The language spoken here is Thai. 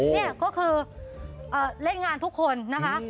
นี่ก็คือเล่นงานทุกคนนะคะ